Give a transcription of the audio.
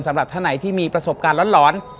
สำหรับท่านไหนที่มีประสบการณ์หลอน